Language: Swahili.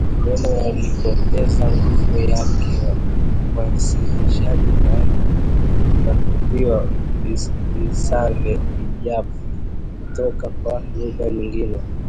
Maneno yaliyopoteza nguvu yake ya uwasilishaji maana hutafutiwa visawe ijapo kutoka kwa lugha nyingine